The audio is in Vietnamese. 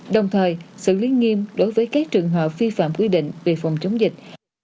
đồng thời xử lý nghiêm đối với các trường hợp vi phạm quy định về phòng chống dịch